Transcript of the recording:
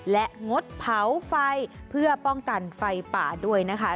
และงดเผาไฟเพื่อป้องกันไฟป่าด้วยนะคะ